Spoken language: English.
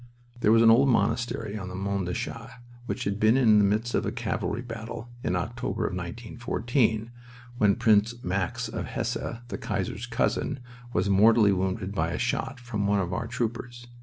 There was an old monastery on the Mont des Chats which had been in the midst of a cavalry battle in October of 1914, when Prince Max of Hesse, the Kaiser's cousin, was mortally wounded by a shot from one of our troopers.